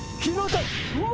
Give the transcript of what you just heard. うわ！